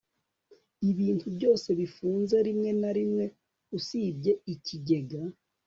Ibintu byose bifunze rimwe na rimwe usibye ikigega